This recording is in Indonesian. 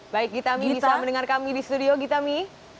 baik gita mi bisa mendengar kami di studio gita mi